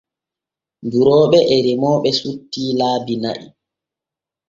Durooɓe e remooɓe sutti laabi na'i.